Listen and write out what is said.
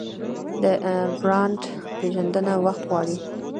د برانډ پیژندنه وخت غواړي.